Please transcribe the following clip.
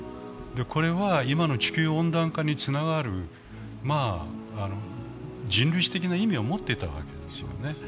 これは今の地球温暖化につながる人類史的な意味を持っていたわけですよね。